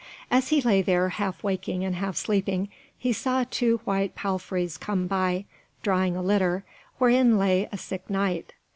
As he lay there, half waking and half sleeping, he saw two white palfreys come by, drawing a litter, wherein lay a sick Knight.